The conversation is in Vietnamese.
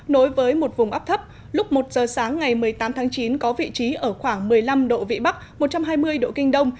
nối với một vùng áp thấp lúc một giờ sáng ngày một mươi tám tháng chín có vị trí ở khoảng một mươi năm độ vĩ bắc một trăm hai mươi độ kinh đông